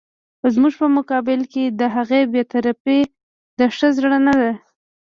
زموږ په مقابل کې د هغه بې طرفي د ښه زړه نه ده.